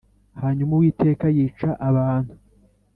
Hanyuma Uwiteka yica abantu .